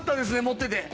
持ってて。